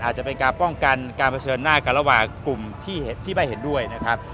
อาจจะเป็นการป้องกันการเผชิญหน้ากันระหว่างกลุ่มที่ไม่เห็นด้วยนะครับ